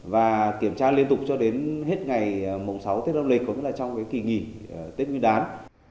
và kiểm tra liên tục cho đến hết ngày sáu tết đông lịch có nghĩa là trong cái kỳ nghỉ tết nguyên đán